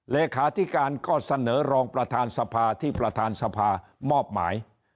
เลขาธิการก็เสนอรองประธานสภาที่ประธานสภามอบหมาย